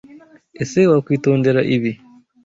ese Wakwitondera ibi?